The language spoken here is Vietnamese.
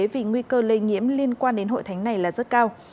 vì nguy cơ lây nhiễm liên quan đến hội thánh này là rất cao